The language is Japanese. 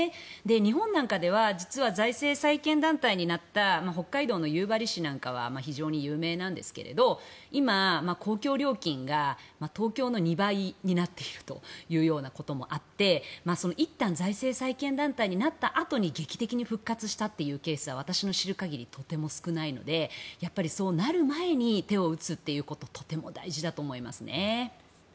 日本なんかでは実は財政再建団体になった北海道の夕張市なんかは非常に有名なんですが今、公共料金が東京の２倍になっているというようなこともあっていったん財政再建団体になったあとに劇的に復活したというケースは私の知る限りとても少ないのでやはりそうなる前に手を打つということがとても大事だと思います。